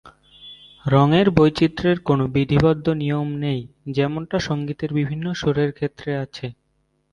রঙের বৈচিত্রের কোনো বিধিবদ্ধ নিয়ম নেই যেমনটা সঙ্গীতের বিভিন্ন সুরের ক্ষেত্রে আছে।